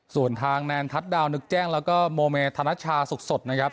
ส่วนทางแนนทัศน์ดาวนึกแจ้งแล้วก็โมเมธนชาสดนะครับ